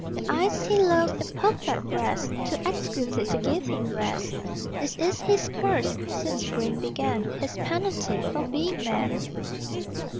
The eyes he loves, The perfect breast, Too exquisite To give him rest. This is his curse Since brain began. His penalty For being man.